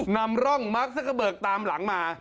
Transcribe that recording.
นำร่องมาร์คซักกะเบิกตามหลังมา